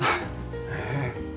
ねえ。